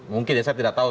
mungkin saya tidak tahu